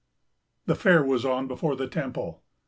76 The fair was on before the temple.